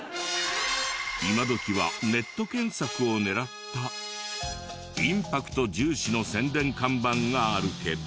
今どきはネット検索を狙ったインパクト重視の宣伝看板があるけど。